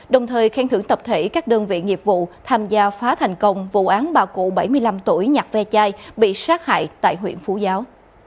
đồng thời khen thưởng tập thể các đơn vị nghiệp vụ tham gia phá thành công vụ án bà cụ bảy mươi năm tuổi nhặt ve chai bị sát hại tại huyện phú giáo